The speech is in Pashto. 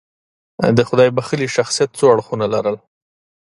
د خدای بښلي شخصیت څو اړخونه لرل.